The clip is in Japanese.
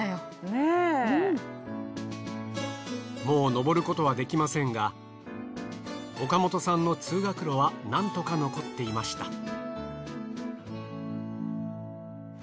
もう上ることはできませんが岡本さんの通学路はなんとか残っていました。